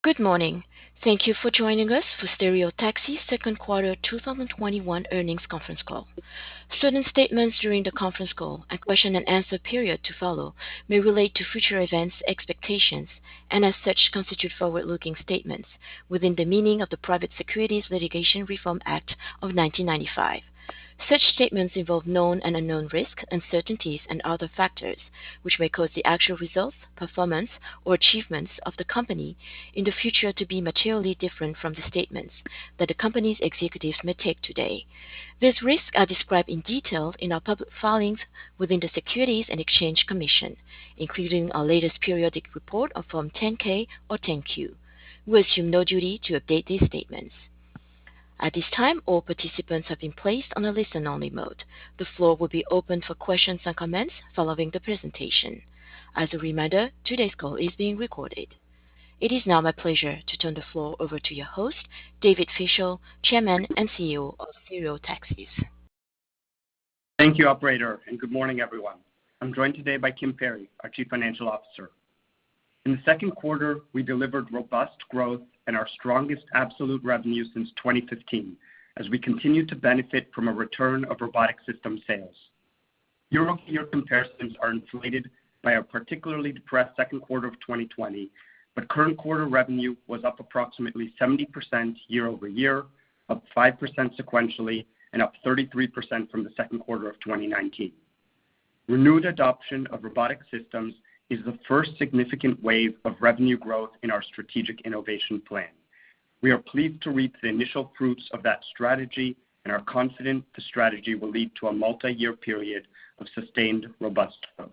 Good morning. Thank you for joining us for Stereotaxis second quarter 2021 earnings conference call. Certain statements during the conference call and question and answer period to follow may relate to future events, expectations, and as such, constitute forward-looking statements within the meaning of the Private Securities Litigation Reform Act of 1995. Such statements involve known and unknown risks, uncertainties, and other factors which may cause the actual results, performance, or achievements of the company in the future to be materially different from the statements that the company's executives may take today. These risks are described in detail in our public filings with the Securities and Exchange Commission, including our latest periodic report of Form 10-K or 10-Q. We assume no duty to update these statements. At this time, all participants have been placed on a listen-only mode. The floor will be open for questions and comments following the presentation. As a reminder, today's call is being recorded. It is now my pleasure to turn the floor over to your host, David Fischel, Chairman and CEO of Stereotaxis. Thank you, operator, and good morning, everyone. I'm joined today by Kim Peery, our Chief Financial Officer. In the second quarter, we delivered robust growth and our strongest absolute revenue since 2015 as we continue to benefit from a return of robotic system sales. Year-over-year comparisons are inflated by a particularly depressed second quarter of 2020, but current quarter revenue was up approximately 70% year-over-year, up 5% sequentially, and up 33% from the second quarter of 2019. Renewed adoption of robotic systems is the first significant wave of revenue growth in our strategic innovation plan. We are pleased to reap the initial fruits of that strategy and are confident the strategy will lead to a multi-year period of sustained, robust growth.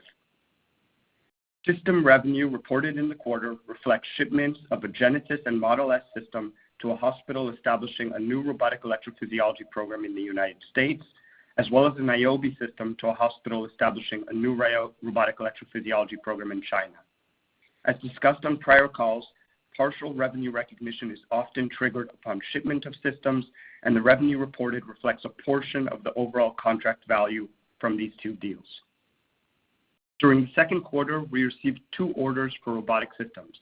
System revenue reported in the quarter reflects shipments of a Genesis and Model S system to a hospital establishing a new robotic electrophysiology program in the U.S., as well as an Niobe system to a hospital establishing a new robotic electrophysiology program in China. As discussed on prior calls, partial revenue recognition is often triggered upon shipment of systems, and the revenue reported reflects a portion of the overall contract value from these two deals. During the second quarter, we received two orders for robotic systems.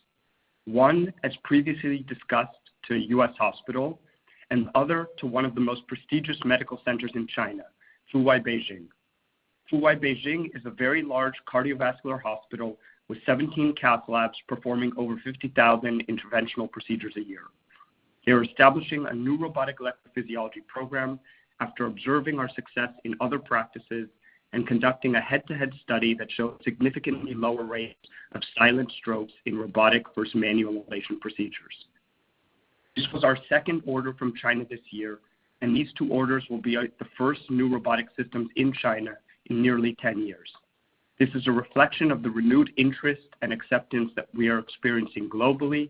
One, as previously discussed, to a U.S. hospital, and the other to one of the most prestigious medical centers in China, Fuwai Beijing. Fuwai Beijing is a very large cardiovascular hospital with 17 cath labs performing over 50,000 interventional procedures a year. They are establishing a new robotic electrophysiology program after observing our success in other practices and conducting a head-to-head study that showed significantly lower rates of silent strokes in robotic versus manual ablation procedures. This was our second order from China this year, and these two orders will be the first new robotic systems in China in nearly 10 years. This is a reflection of the renewed interest and acceptance that we are experiencing globally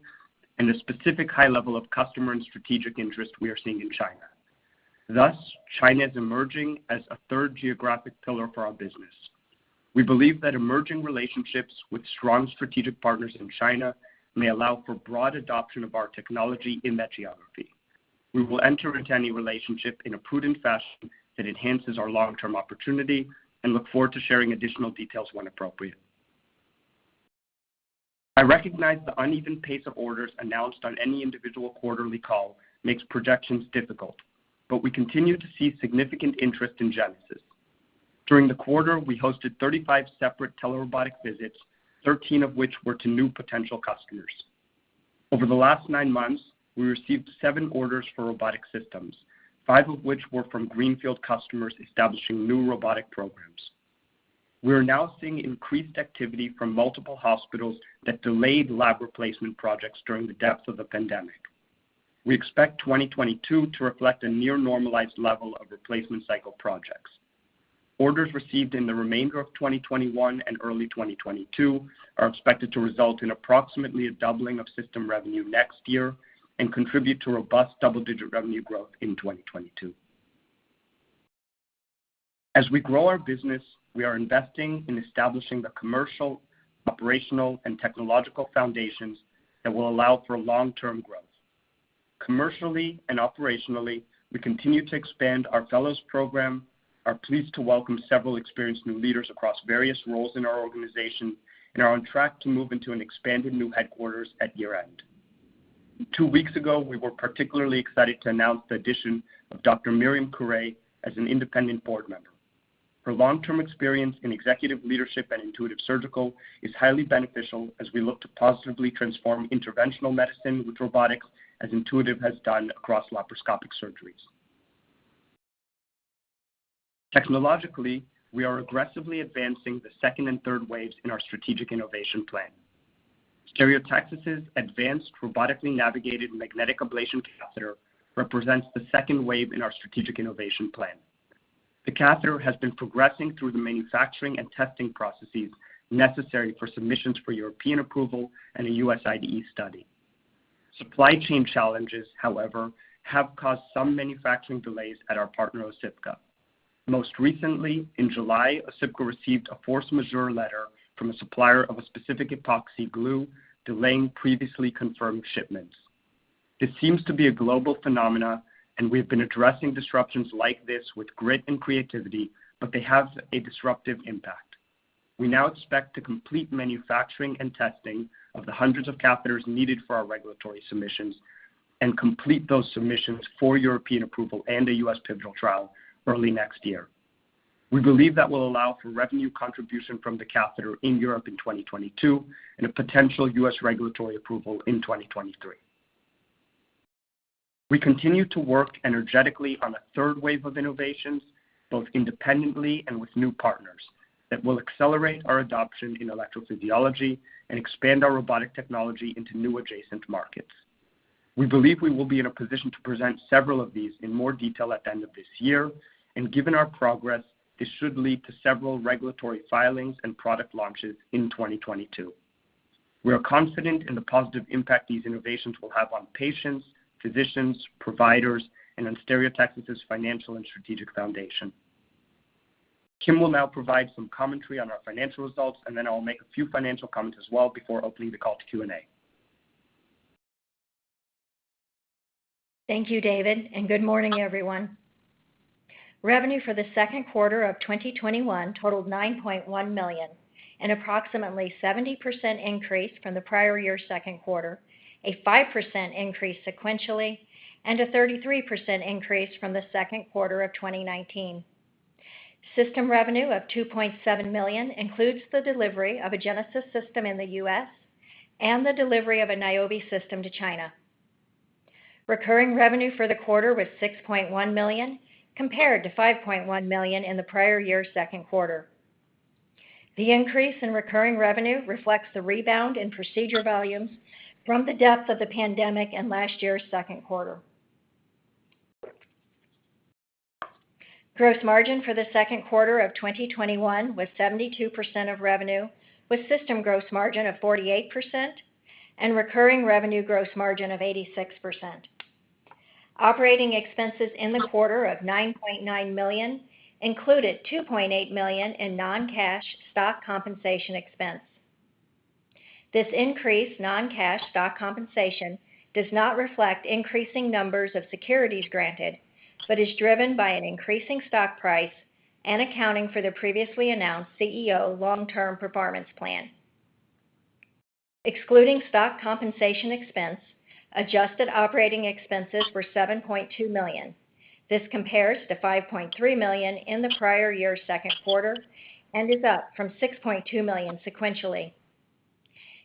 and the specific high level of customer and strategic interest we are seeing in China. Thus, China is emerging as a third geographic pillar for our business. We believe that emerging relationships with strong strategic partners in China may allow for broad adoption of our technology in that geography. We will enter into any relationship in a prudent fashion that enhances our long-term opportunity and look forward to sharing additional details when appropriate. I recognize the uneven pace of orders announced on any individual quarterly call makes projections difficult, but we continue to see significant interest in Genesis. During the quarter, we hosted 35 separate telerobotic visits, 13 of which were to new potential customers. Over the last nine months, we received seven orders for robotic systems, five of which were from greenfield customers establishing new robotic programs. We are now seeing increased activity from multiple hospitals that delayed lab replacement projects during the depth of the pandemic. We expect 2022 to reflect a near normalized level of replacement cycle projects. Orders received in the remainder of 2021 and early 2022 are expected to result in approximately a doubling of system revenue next year and contribute to robust double-digit revenue growth in 2022. As we grow our business, we are investing in establishing the commercial, operational, and technological foundations that will allow for long-term growth. Commercially and operationally, we continue to expand our fellows program, are pleased to welcome several experienced new leaders across various roles in our organization, and are on track to move into an expanded new headquarters at year-end. Two weeks ago, we were particularly excited to announce the addition of Dr. Myriam J. Curet as an independent board member. Her long-term experience in executive leadership at Intuitive Surgical is highly beneficial as we look to positively transform interventional medicine with robotics as Intuitive has done across laparoscopic surgeries. Technologically, we are aggressively advancing the second and third waves in our strategic innovation plan. Stereotaxis' advanced robotically navigated magnetic ablation catheter represents the second wave in our strategic innovation plan. The catheter has been progressing through the manufacturing and testing processes necessary for submissions for European approval and a U.S. IDE study. Supply chain challenges, however, have caused some manufacturing delays at our partner, Osypka. Most recently, in July, Osypka received a force majeure letter from a supplier of a specific epoxy glue delaying previously confirmed shipments. This seems to be a global phenomenon, and we've been addressing disruptions like this with grit and creativity, but they have a disruptive impact. We now expect to complete manufacturing and testing of the hundreds of catheters needed for our regulatory submissions and complete those submissions for European approval and a U.S. pivotal trial early next year. We believe that will allow for revenue contribution from the catheter in Europe in 2022, and a potential U.S. regulatory approval in 2023. We continue to work energetically on a third wave of innovations, both independently and with new partners, that will accelerate our adoption in electrophysiology and expand our robotic technology into new adjacent markets. We believe we will be in a position to present several of these in more detail at the end of this year, and given our progress, this should lead to several regulatory filings and product launches in 2022. We are confident in the positive impact these innovations will have on patients, physicians, providers, and on Stereotaxis' financial and strategic foundation. Kim will now provide some commentary on our financial results, and then I'll make a few financial comments as well before opening the call to Q&A. Thank you, David, and good morning, everyone. Revenue for the second quarter of 2021 totaled $9.1 million, an approximately 70% increase from the prior year second quarter, a 5% increase sequentially, and a 33% increase from the second quarter of 2019. System revenue of $2.7 million includes the delivery of a Genesis system in the U.S. and the delivery of a Niobe system to China. Recurring revenue for the quarter was $6.1 million, compared to $5.1 million in the prior year second quarter. The increase in recurring revenue reflects the rebound in procedure volumes from the depth of the pandemic in last year's second quarter. Gross margin for the second quarter of 2021 was 72% of revenue, with system gross margin of 48% and recurring revenue gross margin of 86%. Operating expenses in the quarter of $9.9 million included $2.8 million in non-cash stock compensation expense. This increased non-cash stock compensation does not reflect increasing numbers of securities granted, but is driven by an increasing stock price and accounting for the previously announced CEO long-term performance plan. Excluding stock compensation expense, adjusted operating expenses were $7.2 million. This compares to $5.3 million in the prior year second quarter and is up from $6.2 million sequentially.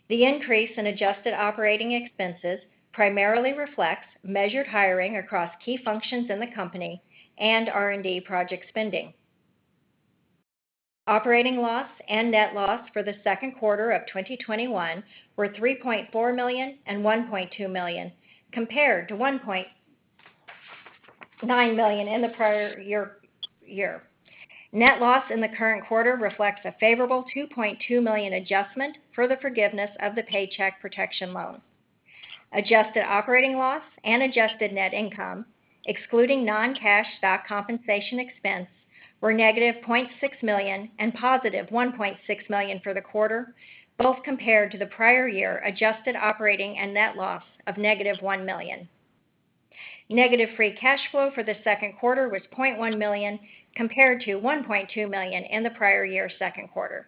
The increase in adjusted operating expenses primarily reflects measured hiring across key functions in the company and R&D project spending. Operating loss and net loss for the second quarter of 2021 were $3.4 million and $1.2 million, compared to $1.9 million in the prior year. Net loss in the current quarter reflects a favorable $2.2 million adjustment for the forgiveness of the Paycheck Protection loan. Adjusted operating loss and adjusted net income, excluding non-cash stock compensation expense, were -$0.6 million and +$1.6 million for the quarter, both compared to the prior year adjusted operating and net loss of -$1 million. Negative free cash flow for the second quarter was $0.1 million, compared to $1.2 million in the prior year second quarter.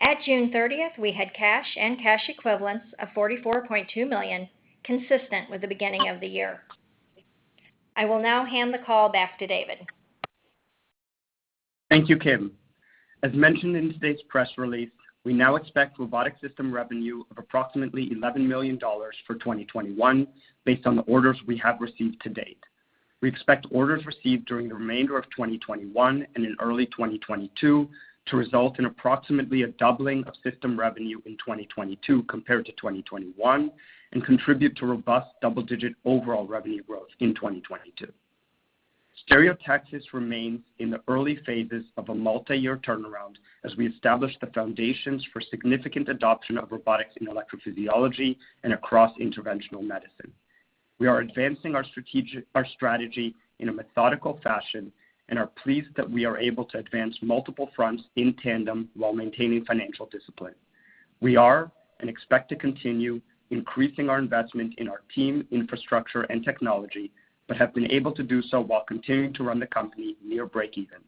At June 30th, we had cash and cash equivalents of $44.2 million, consistent with the beginning of the year. I will now hand the call back to David. Thank you, Kim. As mentioned in today's press release, we now expect robotic system revenue of approximately $11 million for 2021, based on the orders we have received to date. We expect orders received during the remainder of 2021 and in early 2022 to result in approximately a doubling of system revenue in 2022 compared to 2021, and contribute to robust double-digit overall revenue growth in 2022. Stereotaxis remains in the early phases of a multi-year turnaround as we establish the foundations for significant adoption of robotics in electrophysiology and across interventional medicine. We are advancing our strategy in a methodical fashion and are pleased that we are able to advance multiple fronts in tandem while maintaining financial discipline. We are, and expect to continue, increasing our investment in our team, infrastructure, and technology, but have been able to do so while continuing to run the company near breakeven.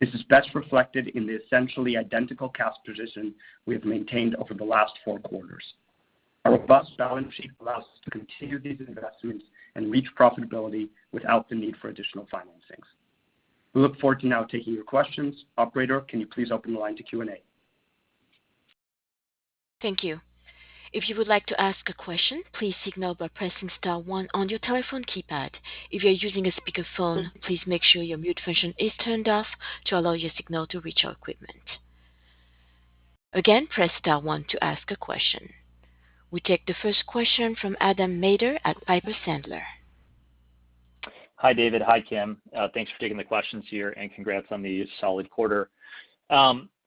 This is best reflected in the essentially identical cash position we have maintained over the last four quarters. Our robust balance sheet allows us to continue these investments and reach profitability without the need for additional financings. We look forward to now taking your questions. Operator, can you please open the line to Q&A? Thank you. If you would like to ask a question, please signal by pressing star one on your telephone keypad. If you are using a speakerphone, please make sure your mute function is turned off to allow your signal to reach our equipment. Again, press star one to ask a question. We take the first question from Adam Maeder at Piper Sandler. Hi, David. Hi, Kim. Thanks for taking the questions here, and congrats on the solid quarter.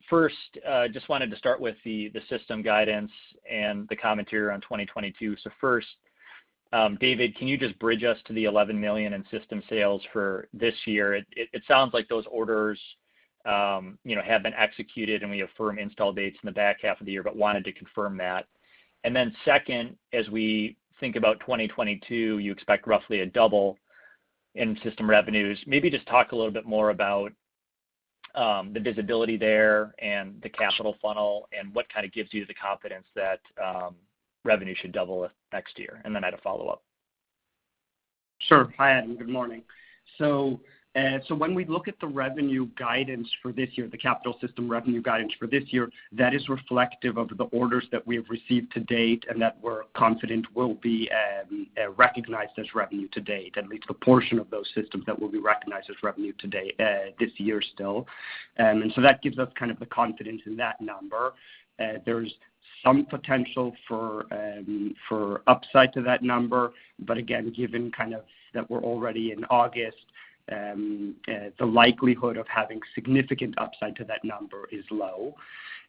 First, just wanted to start with the system guidance and the commentary around 2022. First, David, can you just bridge us to the $11 million in system sales for this year? It sounds like those orders have been executed, and we have firm install dates in the back half of the year, but wanted to confirm that. Second, as we think about 2022, you expect roughly a double in system revenues. Maybe just talk a little bit more about the visibility there and the capital funnel and what kind of gives you the confidence that revenue should double next year. I had a follow-up. Sure. Hi, Adam. Good morning. When we look at the revenue guidance for this year, the capital system revenue guidance for this year, that is reflective of the orders that we have received to date and that we're confident will be recognized as revenue to date, at least a portion of those systems that will be recognized as revenue this year still. That gives us kind of the confidence in that number. There's some potential for upside to that number. Again, given that we're already in August, the likelihood of having significant upside to that number is low.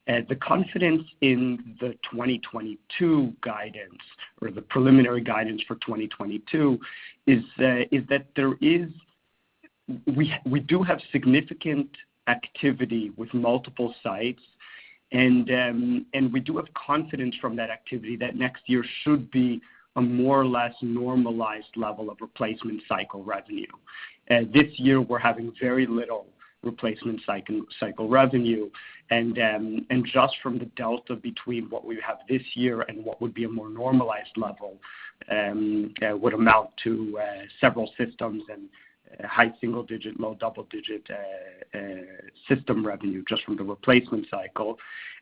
The confidence in the 2022 guidance or the preliminary guidance for 2022 is that we do have significant activity with multiple sites and we do have confidence from that activity that next year should be a more or less normalized level of replacement cycle revenue. This year, we're having very little replacement cycle revenue. Just from the Delta between what we have this year and what would be a more normalized level would amount to several systems and high single-digit, low double-digit system revenue just from the replacement cycle.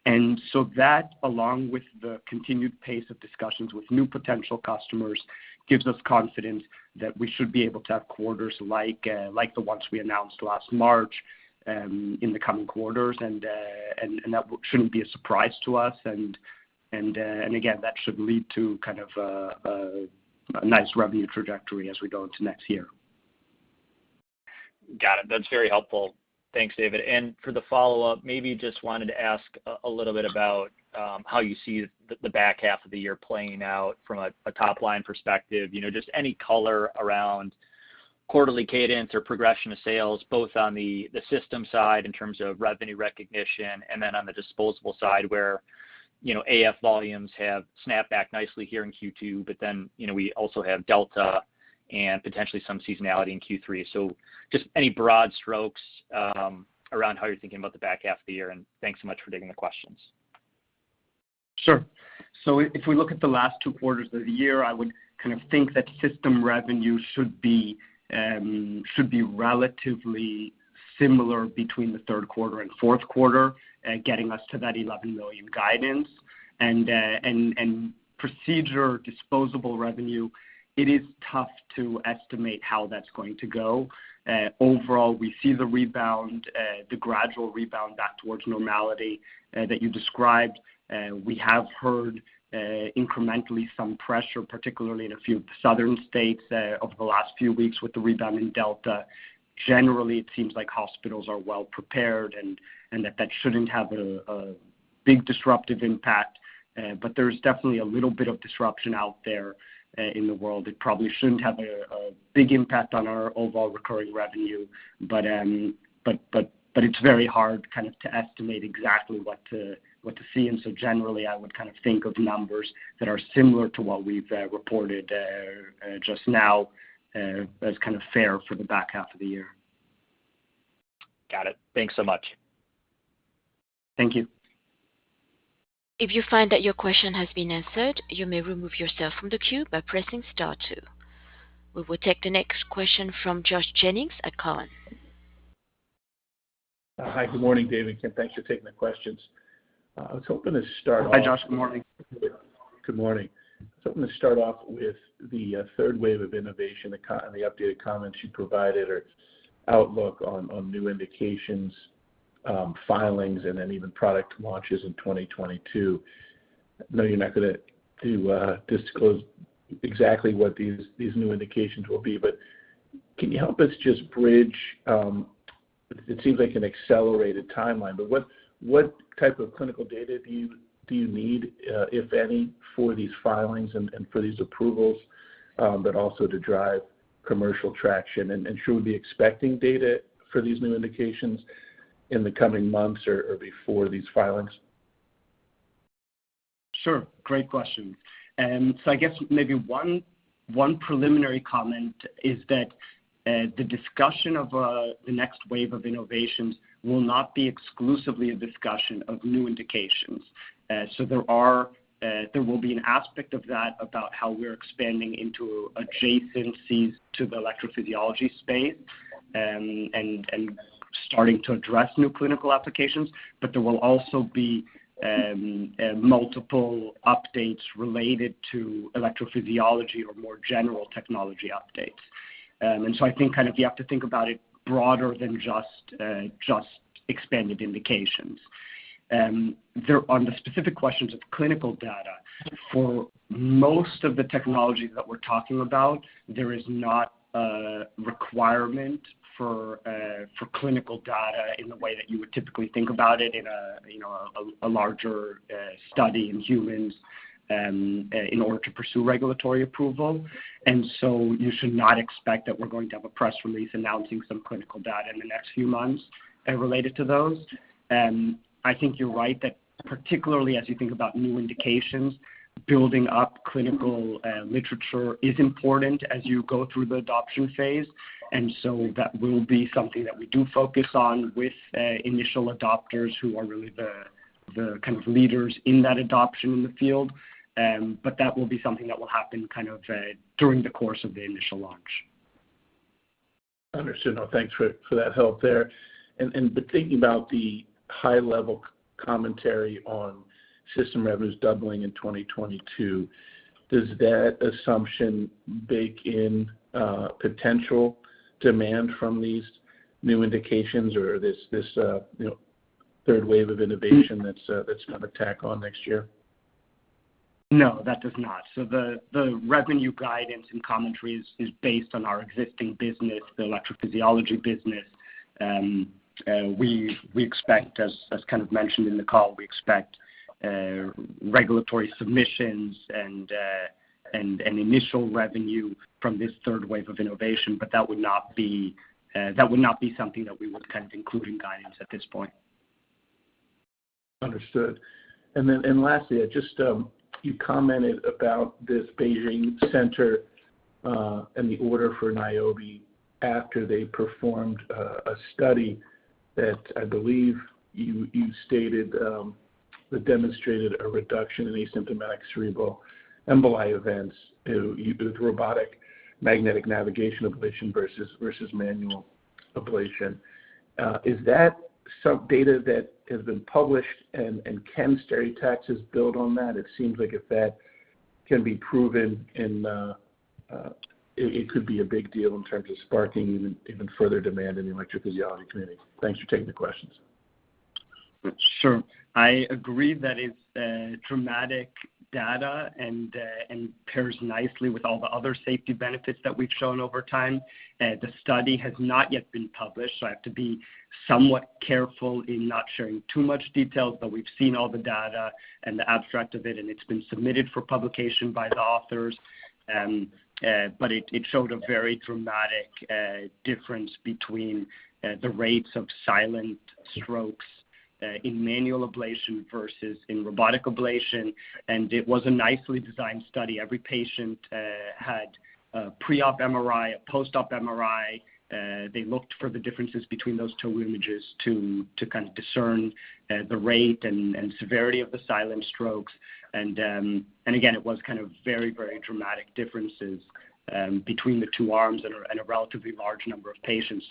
That, along with the continued pace of discussions with new potential customers, gives us confidence that we should be able to have quarters like the ones we announced last March in the coming quarters. That shouldn't be a surprise to us. Again, that should lead to a nice revenue trajectory as we go into next year. Got it. That's very helpful. Thanks, David. For the follow-up, maybe just wanted to ask a little bit about how you see the back half of the year playing out from a top-line perspective. Just any color around quarterly cadence or progression of sales, both on the system side in terms of revenue recognition and then on the disposable side where AF volumes have snapped back nicely here in Q2, but then, we also have Delta and potentially some seasonality in Q3. Just any broad strokes around how you're thinking about the back half of the year. Thanks so much for taking the questions. Sure. If we look at the last two quarters of the year, I would kind of think that system revenue should be relatively similar between the third quarter and fourth quarter, getting us to that $11 million guidance. Procedure disposable revenue, it is tough to estimate how that's going to go. Overall, we see the gradual rebound back towards normality that you described. We have heard incrementally some pressure, particularly in a few southern states over the last few weeks with the rebound in Delta. Generally, it seems like hospitals are well prepared and that that shouldn't have a big disruptive impact. There's definitely a little bit of disruption out there in the world. It probably shouldn't have a big impact on our overall recurring revenue. It's very hard to estimate exactly what to see. Generally, I would kind of think of numbers that are similar to what we've reported just now as kind of fair for the back half of the year. Got it. Thanks so much. Thank you. We will take the next question from Josh Jennings at Cowen. Hi. Good morning, David, and thanks for taking the questions. I was hoping to start off. Hi, Josh. Good morning I'm going to start off with the third wave of innovation, the updated comments you provided or outlook on new indications, filings, and then even product launches in 2022. I know you're not going to disclose exactly what these new indications will be, but can you help us just bridge, it seems like an accelerated timeline, but what type of clinical data do you need, if any, for these filings and for these approvals but also to drive commercial traction? Should we be expecting data for these new indications in the coming months or before these filings? Sure. Great question. I guess maybe one preliminary comment is that the discussion of the next wave of innovations will not be exclusively a discussion of new indications. There will be an aspect of that about how we're expanding into adjacencies to the electrophysiology space and starting to address new clinical applications. There will also be multiple updates related to electrophysiology or more general technology updates. I think you have to think about it broader than just expanded indications. On the specific questions of clinical data, for most of the technologies that we're talking about, there is not a requirement for clinical data in the way that you would typically think about it in a larger study in humans in order to pursue regulatory approval. You should not expect that we're going to have a press release announcing some clinical data in the next few months related to those. I think you're right that particularly as you think about new indications, building up clinical literature is important as you go through the adoption phase. That will be something that we do focus on with initial adopters who are really the kind of leaders in that adoption in the field. That will be something that will happen kind of during the course of the initial launch. Understood. No, thanks for that help there. Thinking about the high-level commentary on system revenues doubling in 2022, does that assumption bake in potential demand from these new indications or this third wave of innovation that's going to tack on next year? No, that does not. The revenue guidance and commentary is based on our existing business, the electrophysiology business. As kind of mentioned in the call, we expect regulatory submissions and initial revenue from this third wave of innovation. That would not be something that we would kind of include in guidance at this point. Understood. Lastly, you commented about this Beijing center and the order for Niobe after they performed a study that I believe you stated that demonstrated a reduction in asymptomatic cerebral emboli events through robotic magnetic navigation ablation versus manual ablation. Is that some data that has been published, and can Stereotaxis build on that? It seems like if that can be proven, it could be a big deal in terms of sparking even further demand in the electrophysiology community. Thanks for taking the questions. Sure. I agree that it's dramatic data and pairs nicely with all the other safety benefits that we've shown over time. The study has not yet been published, so I have to be somewhat careful in not sharing too much detail. We've seen all the data and the abstract of it, and it's been submitted for publication by the authors. It showed a very dramatic difference between the rates of silent strokes in manual ablation versus in robotic ablation. It was a nicely designed study. Every patient had a pre-op MRI, a post-op MRI. They looked for the differences between those two images to kind of discern the rate and severity of the silent strokes. Again, it was kind of very, very dramatic differences between the two arms and a relatively large number of patients.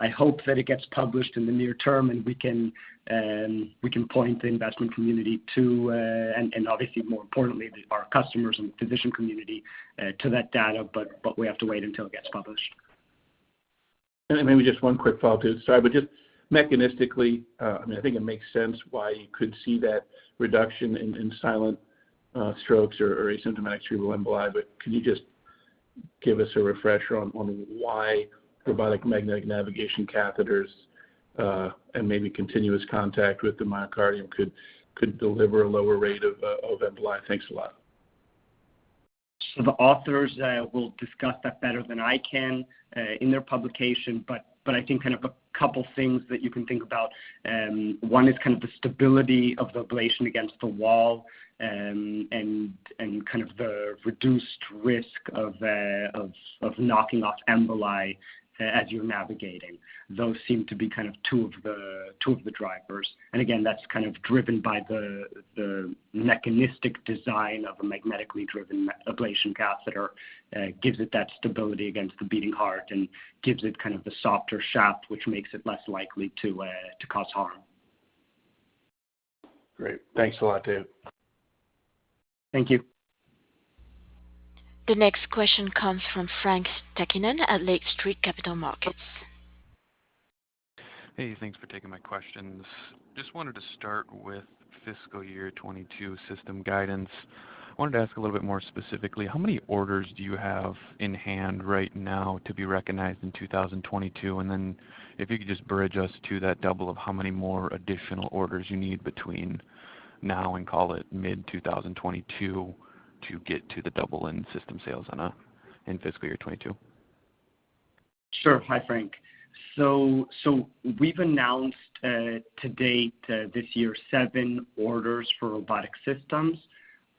I hope that it gets published in the near term and we can point the investment community to, and obviously more importantly, our customers and physician community to that data. We have to wait until it gets published. Maybe just one quick follow up. Sorry. Just mechanistically, I think it makes sense why you could see that reduction in silent strokes or asymptomatic cerebral emboli. Can you just give us a refresher on why robotic magnetic navigation catheters and maybe continuous contact with the myocardium could deliver a lower rate of emboli? Thanks a lot. The authors will discuss that better than I can in their publication. I think kind of a couple things that you can think about. One is kind of the stability of the ablation against the wall and kind of the reduced risk of knocking off emboli as you're navigating. Those seem to be kind of two of the drivers. Again, that's kind of driven by the mechanistic design of a magnetically driven ablation catheter. Gives it that stability against the beating heart and gives it kind of the softer shaft, which makes it less likely to cause harm. Great. Thanks a lot, David. Thank you. The next question comes from Frank Takkinen at Lake Street Capital Markets. Hey, thanks for taking my questions. Just wanted to start with fiscal year 2022 system guidance. Wanted to ask a little bit more specifically, how many orders do you have in hand right now to be recognized in 2022? If you could just bridge us to that double of how many more additional orders you need between now and call it mid-2022 to get to the double in system sales in fiscal year 2022. Sure. Hi, Frank. We've announced to date this year seven orders for robotic systems,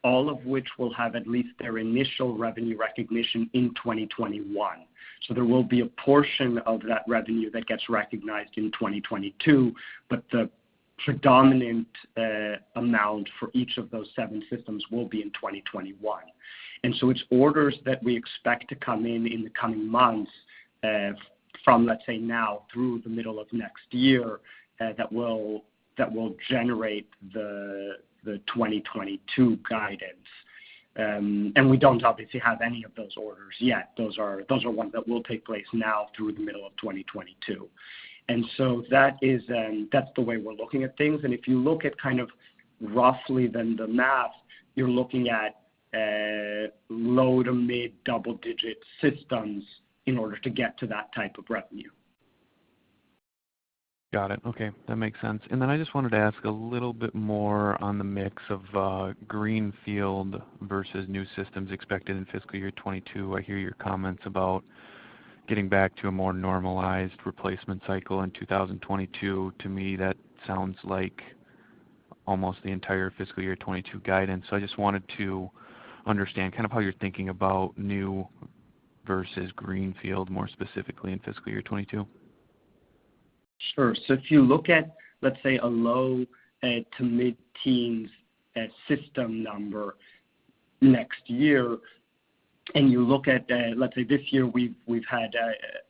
all of which will have at least their initial revenue recognition in 2021. There will be a portion of that revenue that gets recognized in 2022. The predominant amount for each of those seven systems will be in 2021. It's orders that we expect to come in in the coming months from, let's say, now through the middle of next year that will generate the 2022 guidance. We don't obviously have any of those orders yet. Those are ones that will take place now through the middle of 2022. That's the way we're looking at things. If you look at kind of roughly then the math, you're looking at low to mid-double-digit systems in order to get to that type of revenue. Got it. Okay. That makes sense. I just wanted to ask a little bit more on the mix of greenfield versus new systems expected in fiscal year 2022. I hear your comments about getting back to a more normalized replacement cycle in 2022. To me, that sounds like almost the entire fiscal year 2022 guidance. I just wanted to understand kind of how you're thinking about new versus greenfield, more specifically in fiscal year 2022. Sure. If you look at, let's say, a low to mid-teens system number next year, and you look at, let's say, this year we've had,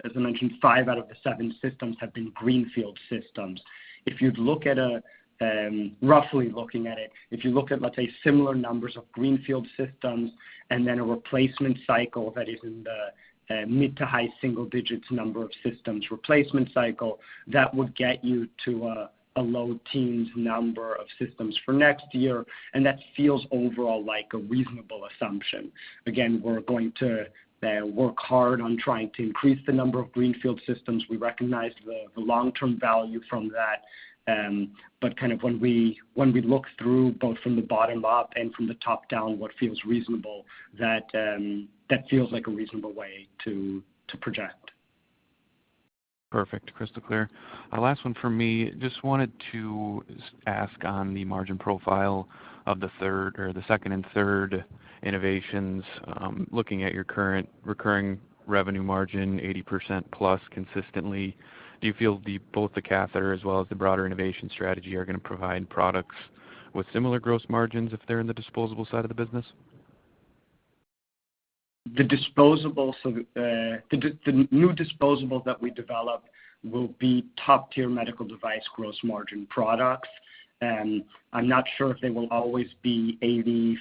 as I mentioned, five out of the seven systems have been greenfield systems. Roughly looking at it, if you look at, let's say, similar numbers of greenfield systems and then a replacement cycle that is in the mid to high single digits number of systems replacement cycle, that would get you to a low teens number of systems for next year, and that feels overall like a reasonable assumption. Again, we're going to work hard on trying to increase the number of greenfield systems. We recognize the long-term value from that. Kind of when we look through, both from the bottom up and from the top-down, what feels reasonable, that feels like a reasonable way to project. Perfect. Crystal clear. Last one from me. Just wanted to ask on the margin profile of the second and third innovations. Looking at your current recurring revenue margin, 80%+ consistently, do you feel both the catheter as well as the broader innovation strategy are going to provide products with similar gross margins if they're in the disposable side of the business? The new disposable that we develop will be top-tier medical device gross margin products. I'm not sure if they will always be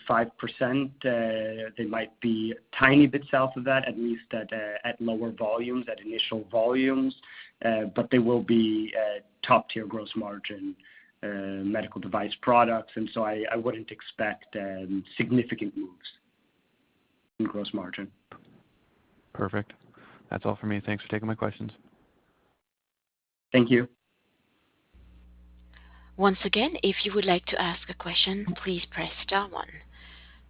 85%. They might be tiny bits out of that, at least at lower volumes, at initial volumes. They will be top-tier gross margin medical device products, and so I wouldn't expect significant moves in gross margin. Perfect. That's all for me. Thanks for taking my questions. Thank you. Once again, if you would like to ask a question, please press star one.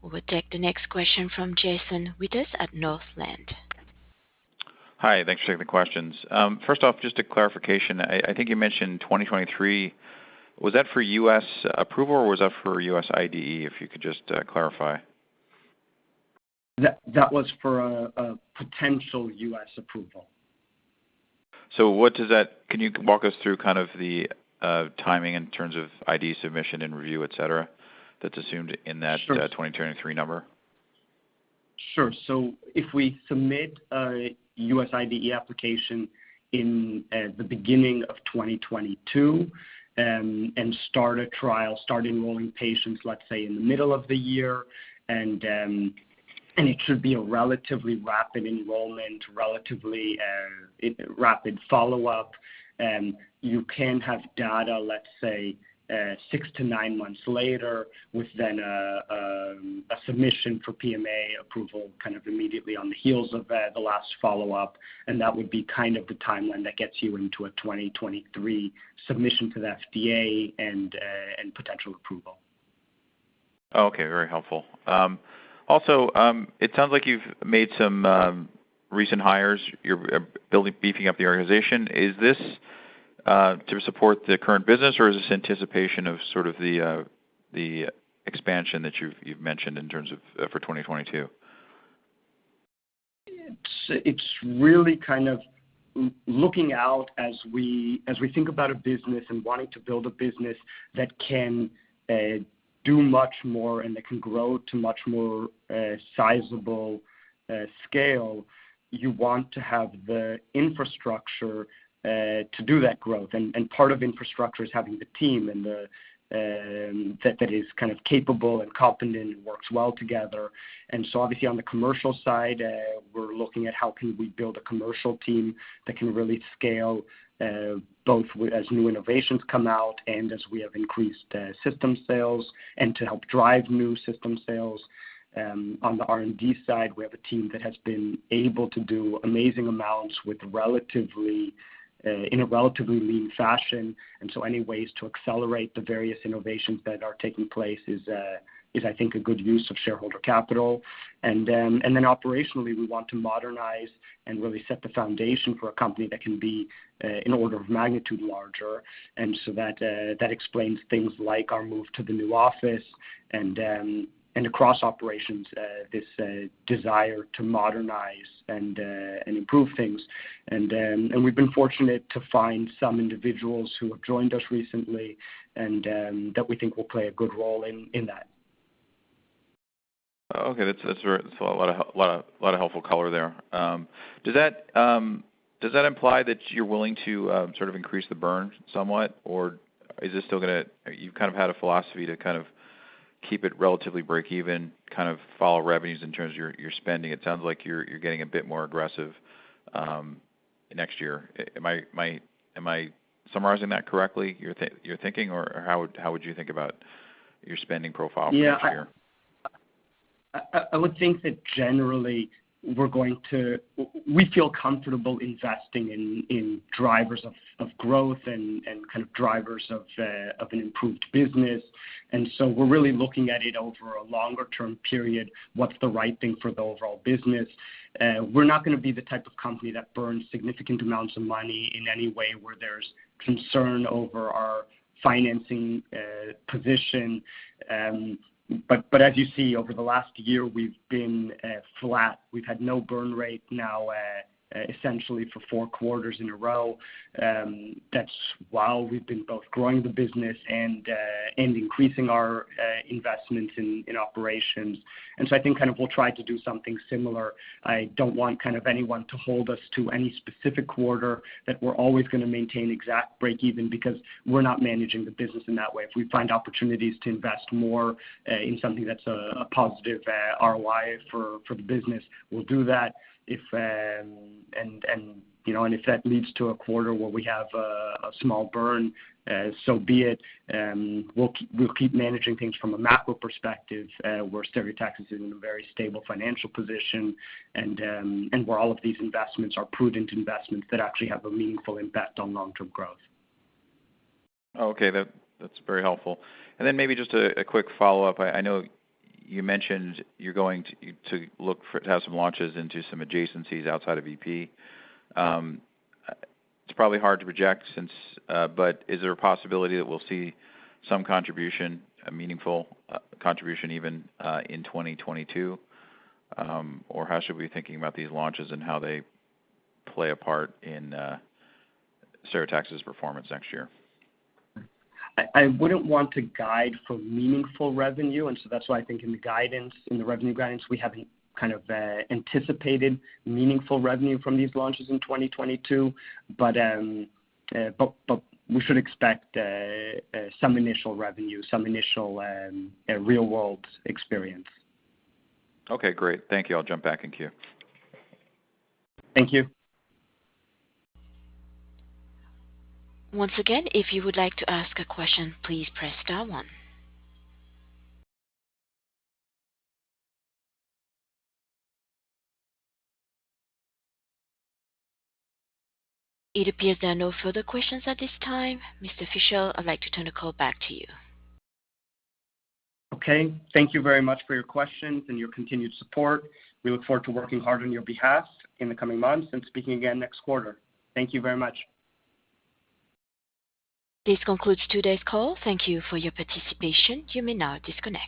We'll take the next question from Jason Wittes at Northland. Hi, thanks for taking the questions. First off, just a clarification. I think you mentioned 2023. Was that for U.S. approval, or was that for U.S. IDE? If you could just clarify. That was for a potential U.S. approval. Can you walk us through kind of the timing in terms of IDE submission and review, et cetera, that's assumed in that? Sure. 2023 number? Sure. If we submit a U.S. IDE application in the beginning of 2022 and start a trial, start enrolling patients, let's say, in the middle of the year, and it should be a relatively rapid enrollment, relatively rapid follow-up. You can have data, let's say, six to nine months later, with then a submission for PMA approval kind of immediately on the heels of the last follow-up, and that would be kind of the timeline that gets you into a 2023 submission to the FDA and potential approval. Okay. Very helpful. It sounds like you've made some recent hires. You're beefing up the organization. Is this to support the current business, or is this anticipation of sort of the expansion that you've mentioned in terms of for 2022? It's really kind of looking out as we think about a business and wanting to build a business that can do much more and that can grow to much more sizable scale. You want to have the infrastructure to do that growth. Part of infrastructure is having the team that is kind of capable and competent and works well together. Obviously on the commercial side, we're looking at how can we build a commercial team that can really scale both as new innovations come out and as we have increased system sales and to help drive new system sales. On the R&D side, we have a team that has been able to do amazing amounts in a relatively lean fashion, any ways to accelerate the various innovations that are taking place is, I think, a good use of shareholder capital. Operationally, we want to modernize and really set the foundation for a company that can be in an order of magnitude larger. That explains things like our move to the new office and across operations, this desire to modernize and improve things. We've been fortunate to find some individuals who have joined us recently and that we think will play a good role in that. Okay. That's a lot of helpful color there. Does that imply that you're willing to sort of increase the burn somewhat, or you've kind of had a philosophy to kind of keep it relatively break even, kind of follow revenues in terms of your spending? It sounds like you're getting a bit more aggressive next year. Am I summarizing that correctly, your thinking, or how would you think about your spending profile for next year? I would think that generally, we feel comfortable investing in drivers of growth and drivers of an improved business. We're really looking at it over a longer-term period, what's the right thing for the overall business. We're not going to be the type of company that burns significant amounts of money in any way where there's concern over our financing position. As you see, over the last year, we've been flat. We've had no burn rate now essentially for four quarters in a row. That's while we've been both growing the business and increasing our investments in operations. I think we'll try to do something similar. I don't want anyone to hold us to any specific quarter that we're always going to maintain exact break-even because we're not managing the business in that way. If we find opportunities to invest more in something that's a positive ROI for the business, we'll do that. If that leads to a quarter where we have a small burn, so be it. We'll keep managing things from a macro perspective where Stereotaxis is in a very stable financial position and where all of these investments are prudent investments that actually have a meaningful impact on long-term growth. Okay. That's very helpful. Maybe just a quick follow-up. I know you mentioned you're going to have some launches into some adjacencies outside of EP. It's probably hard to project, but is there a possibility that we'll see some meaningful contribution even in 2022? How should we be thinking about these launches and how they play a part in Stereotaxis' performance next year? I wouldn't want to guide for meaningful revenue. That's why I think in the revenue guidance, we haven't anticipated meaningful revenue from these launches in 2022. We should expect some initial revenue, some initial real-world experience. Okay, great. Thank you. I'll jump back in queue. Thank you. Once again, if you would like to ask a question, please press star one. It appears there are no further questions at this time. Mr. Fischel, I'd like to turn the call back to you. Thank you very much for your questions and your continued support. We look forward to working hard on your behalf in the coming months and speaking again next quarter. Thank you very much. This concludes today's call. Thank you for your participation. You may now disconnect.